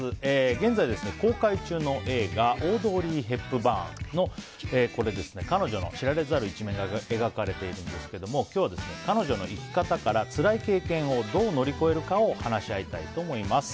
現在、公開中の映画「オードリー・ヘプバーン」の彼女の知られざる一面が描かれているんですが今日は彼女の生き方からつらい経験をどう乗り越えるかを話し合いたいと思います。